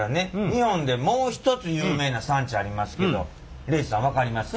日本でもう一つ有名な産地ありますけど礼二さん分かります？